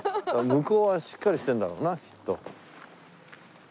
向こうはしっかりしてるんだろうな。